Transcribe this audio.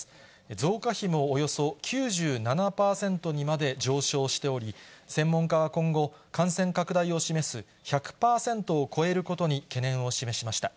増加比もおよそ９７％にまで上昇しており、専門家は今後、感染拡大を示す１００％を超えることに懸念を示しました。